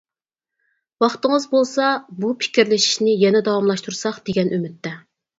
ۋاقتىڭىز بولسا بۇ پىكىرلىشىشنى يەنە داۋاملاشتۇرساق دېگەن ئۈمىدتە!